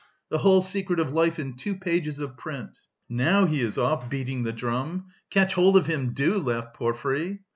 The whole secret of life in two pages of print!" "Now he is off, beating the drum! Catch hold of him, do!" laughed Porfiry.